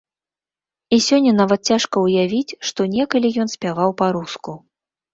І сёння нават цяжка ўявіць, што некалі ён спяваў па-руску.